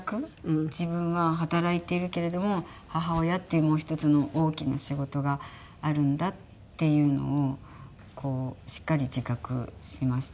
自分は働いているけれども母親っていうもう一つの大きな仕事があるんだっていうのをしっかり自覚しましたね。